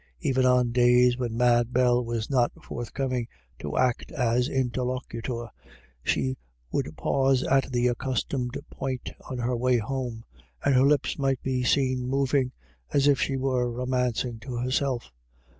Even on days when Mad Bell was not forthcoming to act as interlocutor, she would pause at the accustomed point on her way home, and her lips might be seen moving, as if she were romancing to herself.